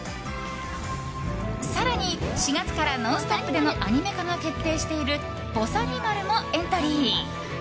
更に、４月から「ノンストップ！」でのアニメ化が決定しているぼさにまるもエントリー。